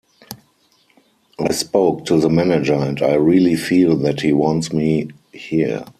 I spoke to the Manager and I really feel that he wants me here.